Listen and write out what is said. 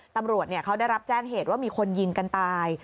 ตำรวจเขาได้รับแจ้งเหตุว่ามีคนยิงกันตาย